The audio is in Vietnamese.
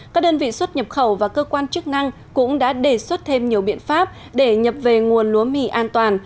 các đơn vị xuất nhập khẩu và cơ quan chức năng cũng đã đề xuất thêm nhiều biện pháp để nhập về nguồn lúa mì an toàn